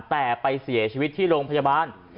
แต่ไปเสียชีวิตที่โรงพยาบาล